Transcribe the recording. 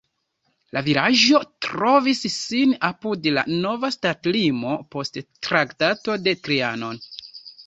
La vilaĝo trovis sin apud la nova ŝtatlimo post Traktato de Trianon.